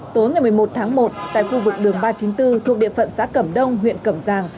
tối ngày một mươi một tháng một tại khu vực đường ba trăm chín mươi bốn thuộc địa phận xã cẩm đông huyện cẩm giang